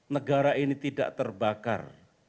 negara ini tidak terbakar